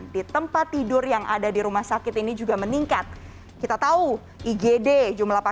tingginya kasus positif covid sembilan belas juga membuat keteguhan